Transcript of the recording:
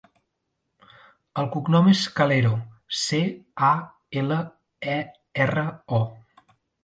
El cognom és Calero: ce, a, ela, e, erra, o.